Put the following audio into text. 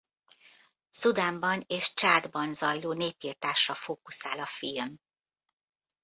Szudánban és Csádban zajló népirtásra fókuszál a film.